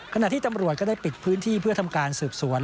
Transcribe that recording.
ขณะที่ตำรวจก็ได้ปิดพื้นที่เพื่อทำการสืบสวน